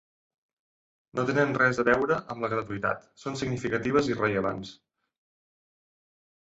No tenen res a veure amb la gratuïtat, són significatives i rellevants.